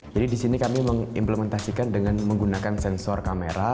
jadi disini kami mengimplementasikan dengan menggunakan sensor kamera